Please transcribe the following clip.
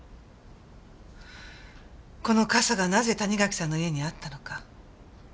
この笠がなぜ谷垣さんの家にあったのか。